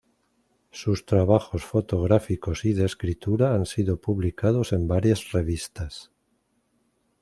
Sus trabajos fotográficos y de escritura han sido publicados en varias revistas.